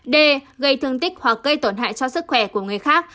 d gây thương tích hoặc gây tổn hại cho sức khỏe của người khác